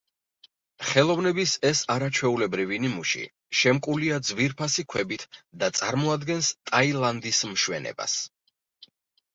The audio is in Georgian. ხელოვნების ეს არაჩვეულებრივი ნიმუში შემკულია ძვირფასი ქვებით და წარმოადგენს ტაილანდის მშვენებას.